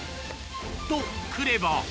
と、くれば。